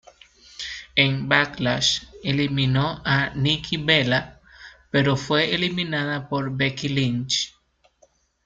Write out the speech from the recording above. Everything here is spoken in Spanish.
En Backlash, eliminó a Nikki Bella pero fue eliminada por Becky Lynch.